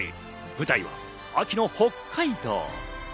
舞台は秋の北海道。